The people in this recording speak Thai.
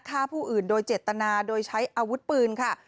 ฆ่าผู้อื่นโดยเจตนาโดยใช้อาวุธปืนค่ะ